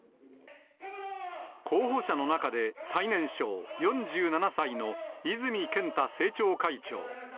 候補者の中で最年少、４７歳の泉健太政調会長。